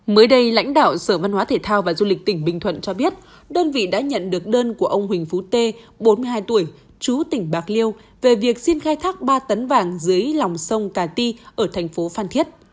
mới đây lãnh đạo sở văn hóa thể thao và du lịch tỉnh bình thuận cho biết đơn vị đã nhận được đơn của ông huỳnh phú tê bốn mươi hai tuổi chú tỉnh bạc liêu về việc xin khai thác ba tấn vàng dưới lòng sông cà ti ở thành phố phan thiết